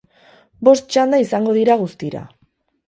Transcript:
Bost txanda izango dira guztira.